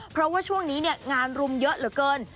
เพราะว่าช่วงนี้เนี่ยงานรุมเยอะเหลือเกิน